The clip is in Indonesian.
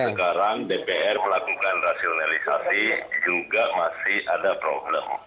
sekarang dpr melakukan rasionalisasi juga masih ada problem